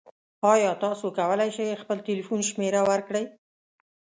ایا تاسو کولی شئ خپل تلیفون شمیره ورکړئ؟